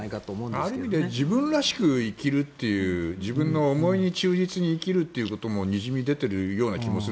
ある意味自分らしく生きるという自分の思いに忠実に生きることもにじみ出ている気がする。